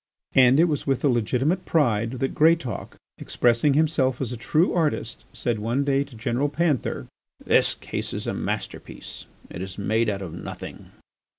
And it was with a legitimate pride that Greatauk, expressing himself as a true artist, said one day to General Panther: "This case is a master piece: it is made out of nothing."